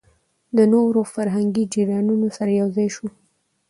له نورو فرهنګي جريانونو سره يوځاى شو